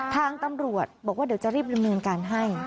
ทางตำรวจบอกว่าเดี๋ยวจะรีบดำเนินการให้